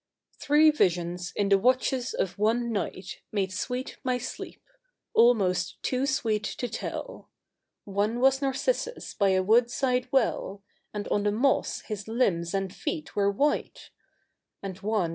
' Three visions in the watches of one night Made sioeet i/iy sleep — almost too sweet 10 tell. One was Narcissus by a woodside well. And on the moss his limbs and feet were white ; And one.